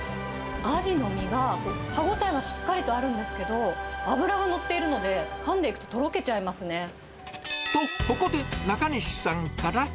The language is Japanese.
アジの身が歯応えはしっかりとあるんですけど、脂が乗っているので、と、ここで中西さんから。